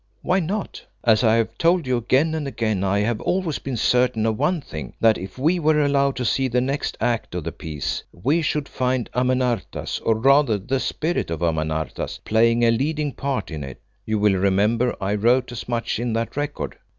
Why not? As I have told you again and again, I have always been certain of one thing, that if we were allowed to see the next act of the piece, we should find Amenartas, or rather the spirit of Amenartas, playing a leading part in it; you will remember I wrote as much in that record.